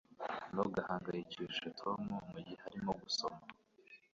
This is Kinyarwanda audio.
Ntugahangayikishe Tom mugihe arimo gusoma